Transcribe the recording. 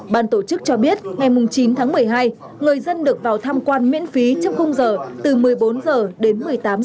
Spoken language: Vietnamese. ban tổ chức cho biết ngày chín tháng một mươi hai người dân được vào tham quan miễn phí trong khung giờ từ một mươi bốn h đến một mươi tám h